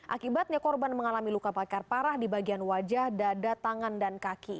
akibatnya korban mengalami luka bakar parah di bagian wajah dada tangan dan kaki